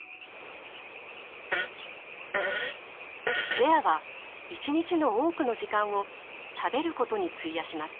レアは１日の多くの時間を食べることに費やします。